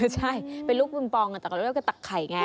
ใช่เป็นลูกปึงปองแต่เราก็ตักไข่ไง